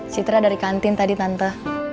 citra dari kantin tadi tante